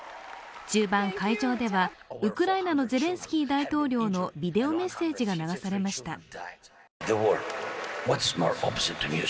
中盤、会場ではウクライナのゼレンスキー大統領のビデオメッセージが流されました。